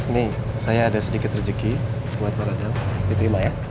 nih saya ada sedikit rezeki buat pak dadang di terima ya